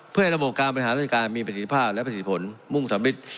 เพื่อให้ระบบการบริหารราชการมีประสิทธิภาพและประสิทธิผลมุ่งสำมิตร